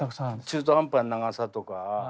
中途半端な長さとか。